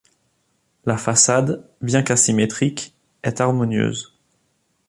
La façade, bien qu’asymétrique, est harmonieuse.